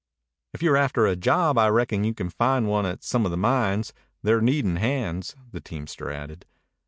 "If you're after a job, I reckon you can find one at some of the mines. They're needin' hands," the teamster added.